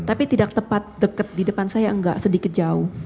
tapi tidak tepat dekat di depan saya tidak sedikit jauh